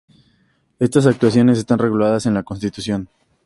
Estas actuaciones están reguladas en la Constitución.